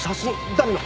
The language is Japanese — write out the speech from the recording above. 誰の？